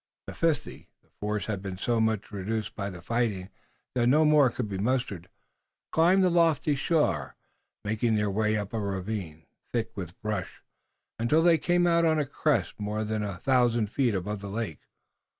The fifty the force had been so much reduced by the fighting that no more could be mustered climbed the lofty shore, making their way up a ravine, thick with brush, until they came out on a crest more than a thousand feet above the lake.